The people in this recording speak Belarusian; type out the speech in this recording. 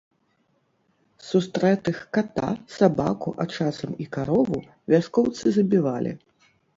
Сустрэтых ката, сабаку, а часам і карову вяскоўцы забівалі.